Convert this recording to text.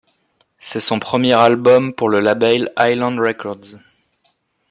C'est son premier album pour le label Island Records.